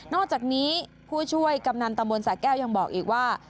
อกจากนี้ผู้ช่วยกำนันตะมนต์สะแก้วยังบอกอีกว่า